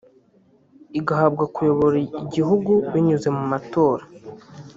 igahabwa kuyobora igihugu binyuze mu matora